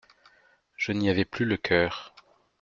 Je n'y avais plus le coeur.